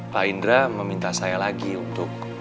pak indra meminta saya lagi untuk